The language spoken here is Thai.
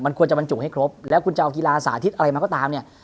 ควรจะบรรจุให้ครบแล้วคุณจะเอากีฬาสาธิตอะไรมาก็ตามเนี่ย